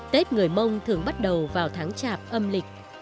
tết người mông thường bắt đầu vào tháng chạp âm lịch